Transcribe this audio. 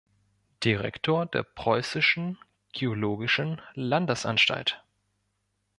Direktor der Preußischen Geologischen Landesanstalt.